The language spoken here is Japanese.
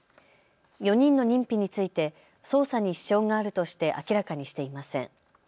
４人の認否について捜査に支障があるとして明らかにしていません。